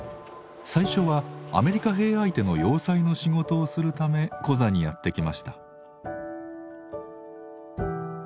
最初はアメリカ兵相手の洋裁の仕事をするためコザにやって来ました。